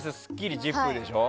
「ＺＩＰ！」でしょ。